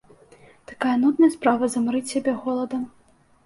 Такая нудная справа, замарыць сябе голадам!